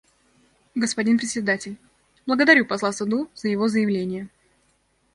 Господин Председатель: Благодарю посла Суду за его заявление.